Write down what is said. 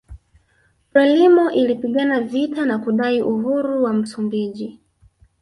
Frelimo ilipigana vita na kudai uhuru wa Msumbiji